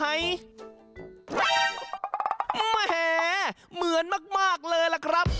แหมเหมือนมากเลยล่ะครับ